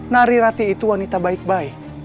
nari rati itu wanita baik baik